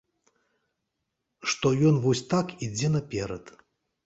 Што ён вось так ідзе наперад.